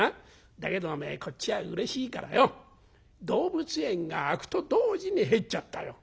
だけどおめえこっちはうれしいからよ動物園が開くと同時に入っちゃったよ。